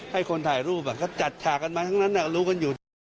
ให้คนถ่ายรูปจัดฉากกันมาก่อนนะแล้วรู้กันอยู่